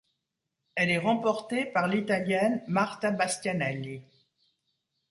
Elle est remportée par l'Italienne Marta Bastianelli.